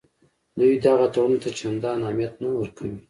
دوی دغه تړون ته چندان اهمیت نه ورکوي.